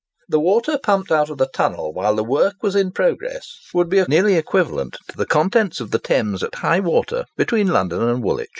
The water pumped out of the tunnel while the work was in progress would be nearly equivalent to the contents of the Thames at high water, between London and Woolwich.